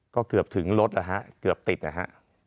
ก็เกือบถึงรถนะฮะเกือบติดนะฮะ